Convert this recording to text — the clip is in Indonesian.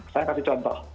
saya kasih contoh